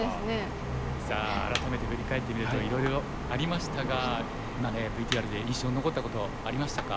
さあ改めて振り返ってみるといろいろありましたが今のＶＴＲで印象に残ったことありましたか？